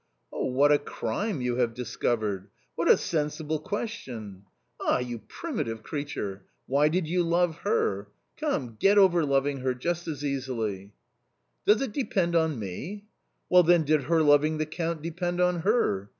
" What a crime you have discovered ! what a sensible question ! Ah, you primitive creature ! Why did you love her ? Come, get over loving her as easily !"" Does it depend on me ?" "Well, then, did her loving the Count depend on her?